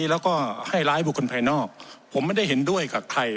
แล้วก็ให้ร้ายบุคคลภายนอกผมไม่ได้เห็นด้วยกับใคร